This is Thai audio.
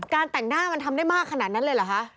แต่งหน้ามันทำได้มากขนาดนั้นเลยเหรอคะ